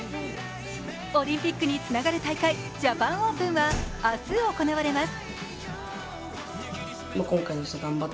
オリンピックにつながる大会、ジャパンオープンは明日行われます。